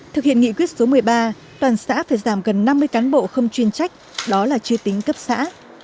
thực hiện nghị quyết số một mươi ba toàn xã phải giảm gần năm mươi cán bộ không chuyên trách đó là chưa tính cấp xã